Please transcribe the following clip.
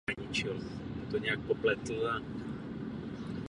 Pamětní desku iniciovala a financovala pátá městská část.